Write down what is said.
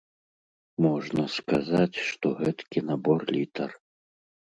Можна сказаць, што гэткі набор літар.